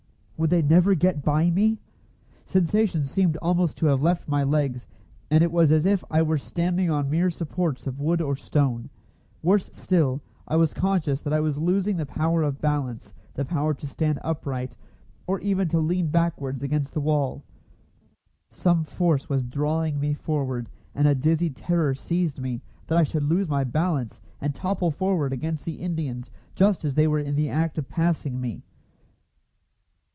Would they never get by me? Sensation seemed also to have left my legs, and it was as if I were standing on mere supports of wood or stone. Worse still, I was conscious that I was losing the power of balance, the power to stand upright, or even to lean backwards against the wall. Some force was drawing me forward, and a dizzy terror seized me that I should lose my balance, and topple forward against the Indians just as they were in the act of passing me.